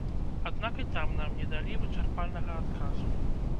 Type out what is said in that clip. Аднак і там нам не далі вычарпальнага адказу.